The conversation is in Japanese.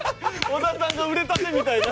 小田さんが売れたてみたいな。